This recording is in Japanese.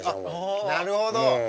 なるほど！